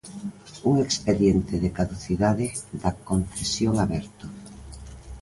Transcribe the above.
Un expediente de caducidade da concesión aberto.